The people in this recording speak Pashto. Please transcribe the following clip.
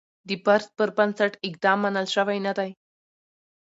د فرض پر بنسټ اقدام منل شوی نه دی.